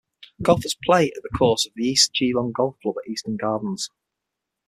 Golfers play at the course of the East Geelong Golf Club at Eastern Gardens.